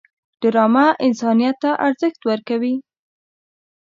ډرامه انسانیت ته ارزښت ورکوي